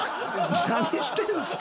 何してんですか？